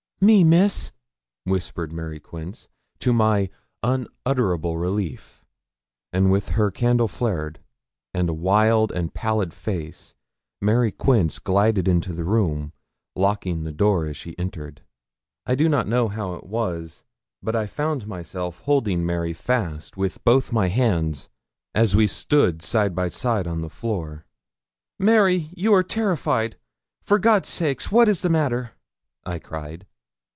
'Me, Miss,' whispered Mary Quince, to my unutterable relief; and with her candle flared, and a wild and pallid face, Mary Quince glided into the room, locking the door as she entered. I do not know how it was, but I found myself holding Mary fast with both my hands as we stood side by side on the floor. 'Mary, you are terrified; for God's sake, what is the matter?' I cried.